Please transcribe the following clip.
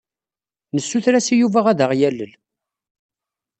Nessuter-as i Yuba ad aɣ-yalel.